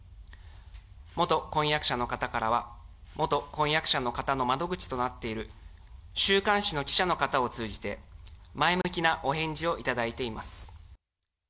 元婚約者の方からは、元婚約者の方の窓口となっている週刊誌の記者の方を通じて、前向きなお返事をいただいています。